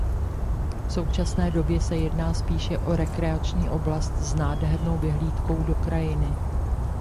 V současné době se jedná spíše o rekreační oblast s nádhernou vyhlídkou do krajiny.